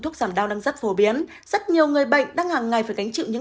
thuốc giảm đau đang rất phổ biến rất nhiều người bệnh đang hàng ngày phải gánh chịu những